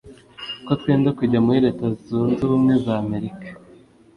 kotwenda kujya muri leta zunze ubwe za amerika.